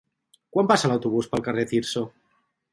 Quan passa l'autobús pel carrer Tirso?